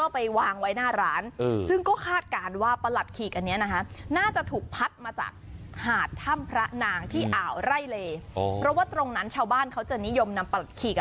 พี่ยมนำประหลัดขีกไปแก้บนเกินเป็นจำนวนมาก